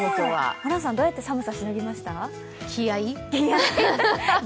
ホランさん、どうやって寒さをしのぎました？